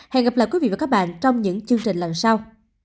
hẹn gặp lại quý vị và các bạn trong những chương trình lần sau